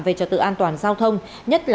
về trật tự an toàn giao thông